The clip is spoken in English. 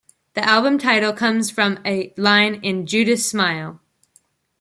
The album's title comes from a line in "Judas Smile".